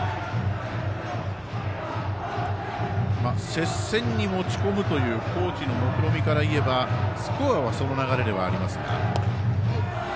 接戦に持ち込むという高知のもくろみから言えばスコアはその流れではありますが。